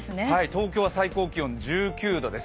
東京は最高気温１９度です。